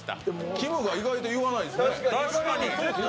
きむが意外と言わないですね。